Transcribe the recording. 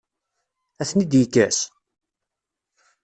Ad ten-id-yekkes?